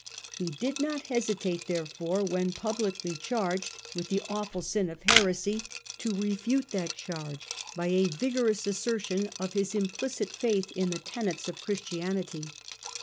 He did not hesitate there fore, when publicly charged with the awful sin of heresy, to refute that charge by a vigorous assertion of his STUPOR MUNDI 291 implicit faith in the tenets of Christianity.